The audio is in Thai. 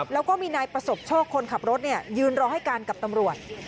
แล้วก็มีนายประสบโชคคนขับรถยืนรอให้การกับตำรวจ